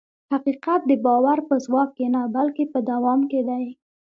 حقیقت د باور په ځواک کې نه، بلکې په دوام کې دی.